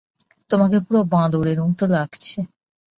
তোমাকে পুরো বাদরের মতো লাগছে।